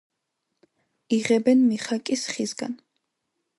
იღებენ მიხაკის ხისგან.